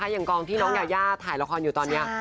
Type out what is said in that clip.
อย่างกองที่น้องยายาถ่ายละครอยู่ตอนนี้